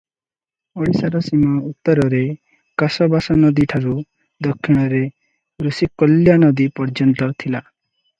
ଓଡିଶାର ସୀମା ଉତ୍ତରରେ କାଶବାଶନଦୀଠାରୁ ଦକ୍ଷିଣରେ ଋଷିକୁଲ୍ୟାନଦୀ ପର୍ଯ୍ୟନ୍ତ ଥିଲା ।